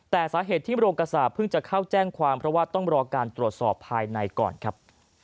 แต่สาเหตุที่โรงกระสาปเพิ่งจะเข้าแจ้งความเพราะว่าต้องรอการตรวจสอบภายในก่อนครับ